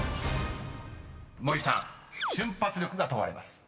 ［森さん瞬発力が問われます］